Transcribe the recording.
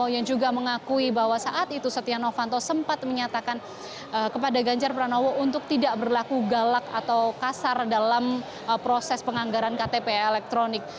yang juga mengakui bahwa saat itu setia novanto sempat menyatakan kepada ganjar pranowo untuk tidak berlaku galak atau kasar dalam proses penganggaran ktp elektronik